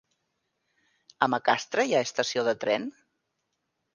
A Macastre hi ha estació de tren?